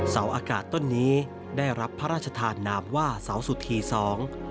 เสาอากาศต้นนี้ได้รับพระราชทานนามว่าเสาสุธีสอง